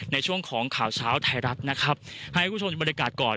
ในช่วงของข่าวเช้าไทยรัฐนะครับให้คุณผู้ชมดูบรรยากาศก่อน